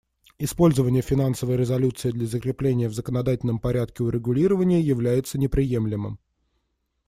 Использование финансовой резолюции для закрепления в законодательном порядке урегулирования является неприемлемым.